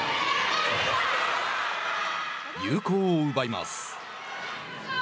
有効を奪います。